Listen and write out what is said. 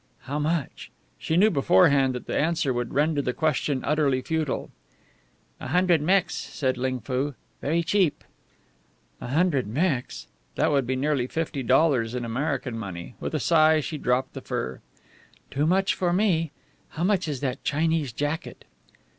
"How much?" She knew beforehand that the answer would render the question utterly futile. "A hundred Mex," said Ling Foo. "Very cheap." "A hundred Mex?" That would be nearly fifty dollars in American money. With a sigh she dropped the fur. "Too much for me. How much is that Chinese jacket?"